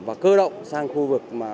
và cơ động sang khu vực